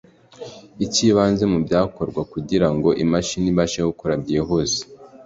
Icy’ibanze mu byakorwa ngo imashini ibashe gukora byihuse